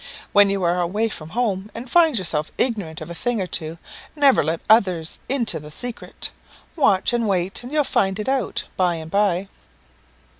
When you are away from home, and find yourself ignorant of a thing or two, never let others into the secret. Watch and wait, and you'll find it out by and by."